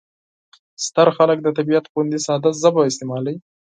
ستر خلک د طبیعت غوندې ساده ژبه استعمالوي.